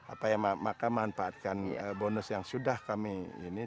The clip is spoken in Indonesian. apa ya maka manfaatkan bonus yang sudah kami ini